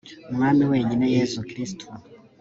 mwami wenyine yezu kristu